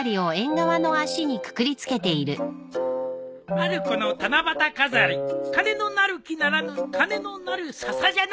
まる子の七夕飾り金のなる木ならぬ金のなるササじゃな。